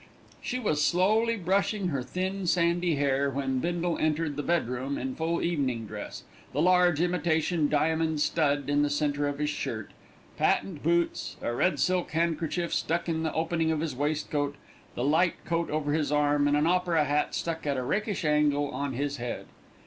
She was slowly brushing her thin sandy hair when Bindle entered the bedroom in full evening dress, the large imitation diamond stud in the centre of his shirt, patent boots, a red silk handkerchief stuck in the opening of his waistcoat, the light coat over his arm, and an opera hat stuck at a rakish angle on his head.